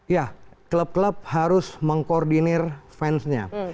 ya klub klub harus mengkoordinir fansnya